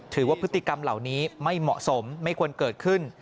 ถือว่าพฤติกรรมเหล่านี้ไม่เหมาะสมไม่ควรเกิดขึ้น